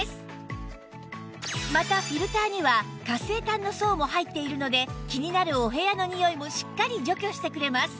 またフィルターには活性炭の層も入っているので気になるお部屋のニオイもしっかり除去してくれます